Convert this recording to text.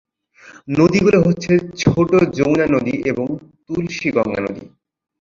নদীগুলো হচ্ছে ছোট যমুনা নদী এবং তুলসী গঙ্গা নদী।